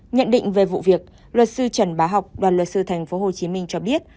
nhận định về vụ việc luật sư trần bá học đoàn luật sư tp hcm cho biết